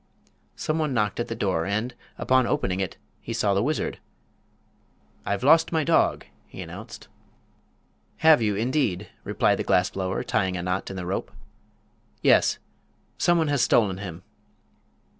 Some one knocked at the door, and, upon opening it, he saw the wizard. "I've lost my dog," he announced. "Have you, indeed?" replied the glass blower tying a knot in the rope. "Yes; some one has stolen him."